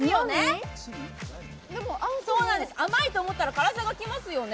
甘いと思ったら辛さがきますよね。